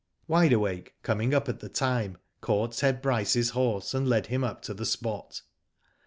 Wide Awake coming up at the time, caught Ted Bryce!s horse, and led him up to the spot.